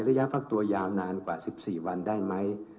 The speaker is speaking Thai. พักตัวยาวนานกว่า๑๔วันได้ไหม